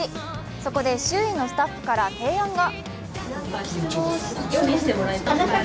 そこで周囲のスタッフから提案が。